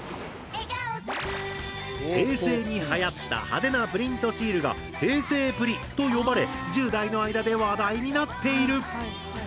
平成にはやった派手なプリントシールが「平成プリ」と呼ばれ１０代の間で話題になっている。